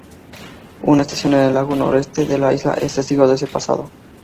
Una estación en el lado noreste de la isla es testigo de ese pasado.